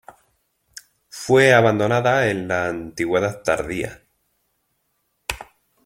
Fue abandonada en la Antigüedad tardía.